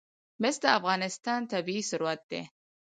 مس د افغانستان طبعي ثروت دی.